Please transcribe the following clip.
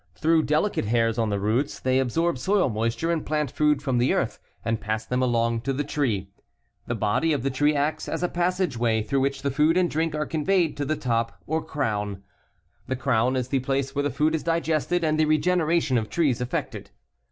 Through delicate hairs on the roots, they absorb soil moisture and plant food from the earth and pass them along to the tree. The body of the tree acts as a passage way through which the food and drink are conveyed to the top or crown. The crown is the place where the food is digested and the regeneration of trees effected.